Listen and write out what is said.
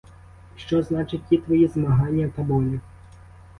І що значать ті твої змагання та болі?